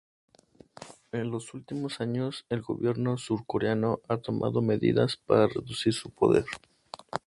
En los últimos años, el Gobierno surcoreano ha tomado medidas para reducir su poder.